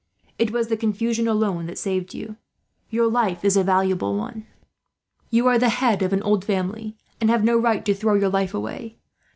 It was the confusion, alone, that saved you. "Your life is a valuable one. You are the head of an old family, and have no right to throw your life away.